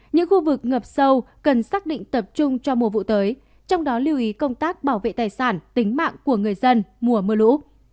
những khu vực ngập sâu cần xác định tập trung cho mùa vụ tới trong đó lưu ý công tác bảo vệ tài sản tính mạng của người dân mùa mưa lũ